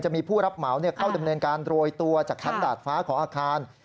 มีผู้รับเหมาเข้าดำเนินการโรยตัวจากชั้นดาดฟ้าของอาคาร